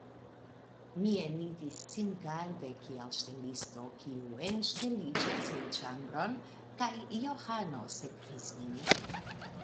Mi eniris singarde kiel ŝtelisto, kiu enŝteliĝas en ĉambron, kaj Johano sekvis min.